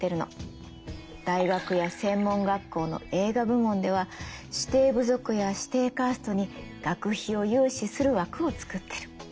大学や専門学校の映画部門では指定部族や指定カーストに学費を融資する枠を作っている。